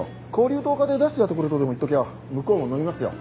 勾留１０日で出してやってくれ」とでも言っときゃ向こうものみますよ。